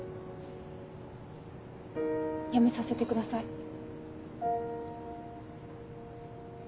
辞めさせてください。